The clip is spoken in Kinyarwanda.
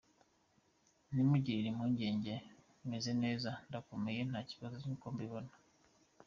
Ntimungirire impungenge, meze neza, ndakomeye nta kibazo nk’uko mubibona.